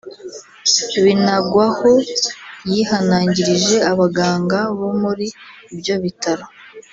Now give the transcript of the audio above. Binagwaho yihanangirije abaganga bo muri ibyo bitaro